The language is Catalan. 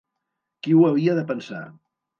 Qui ho havia de pensar!